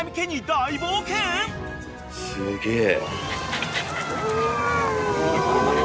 すげえ。